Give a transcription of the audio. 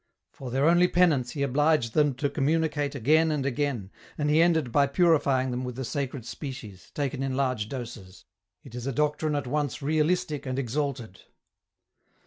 For their only penance he obliged them to communicate again and again, and he ended by purifying them with the Sacred Species, taken in large doses. It is a doctrine at once realistic and exalted.